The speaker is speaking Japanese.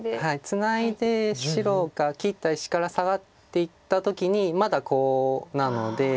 ツナいで白が切った石からサガっていった時にまだコウなので。